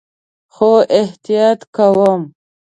خو احتیاط کوم